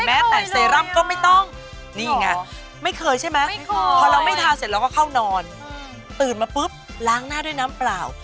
แม้แต่เซรั่มก็ไม่ต้องนี่ไงไม่เคยใช่ไหมพอเราไม่ทานเสร็จเราก็เข้านอนตื่นมาปุ๊บล้างหน้าด้วยน้ำเปล่า